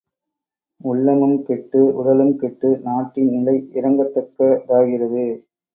உள்ளமும் கெட்டு உடலும் கெட்டு நாட்டின் நிலை இரங்கத் தக்க தாகிறது.